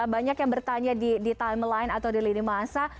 banyak yang bertanya di timeline atau di lini masa